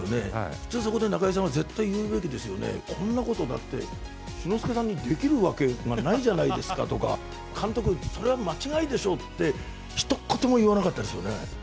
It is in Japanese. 普通、そこで中井さんは絶対言うべきですよね、こんなこと、だって、志の輔さんにできるわけがないじゃないですかとか、監督、それは間違いでしょって、ひと言も言わなかったですよね？